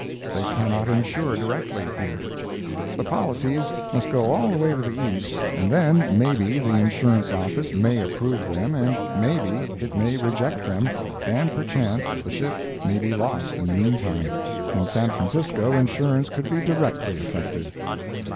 They cannot insure directly, here. The policies must go all the way to the East, and then maybe the insurance office may approve them and maybe it may reject them, and per chance the ship may be lost in the meantime. In San Francisco insurance could be directly effected.